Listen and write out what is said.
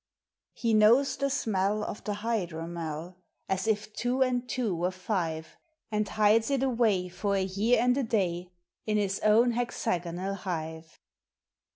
He knows the smell of the hydromel As if two and two were five; And hides it away for a year and a day In his own hexagonal hive.